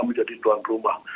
menjadi tuan rumah